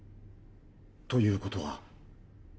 ということは。